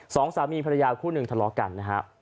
สองสามีภรรยาคู่หนึ่งทะเลาะกันนะฮะ